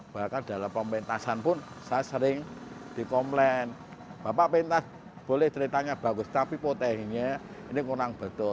bahkan dalam pementasan pun saya sering dikomplain bapak pintas boleh ceritanya bagus tapi potehinya ini kurang betul